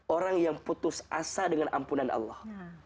orang yang putus asa dengan ampunan allah